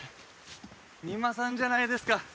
三馬さんじゃないですか。